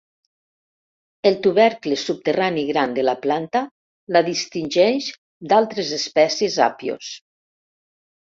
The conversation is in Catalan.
El tubercle subterrani gran de la planta la distingeix d'altres espècies Apios.